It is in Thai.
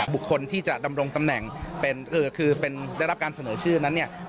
บุคคลที่จะดำรงตำแหน่งเป็นคือได้รับการเสนอชื่อนั้นเนี่ย